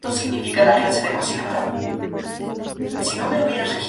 El vídeo musical de "Sex on Fire" fue dirigido por Sophie Muller.